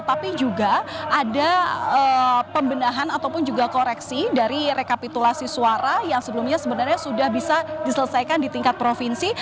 tapi juga ada pembenahan ataupun juga koreksi dari rekapitulasi suara yang sebelumnya sebenarnya sudah bisa diselesaikan di tingkat provinsi